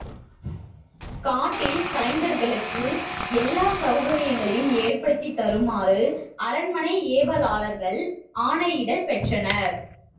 காட்டில் கலைஞர்களுக்கு எல்லாச் செளகரியங்களையும் ஏற்படுத்தித் தருமாறு அரண்மனை ஏவலாளர்கள் ஆணையிடப் பெற்றனர்.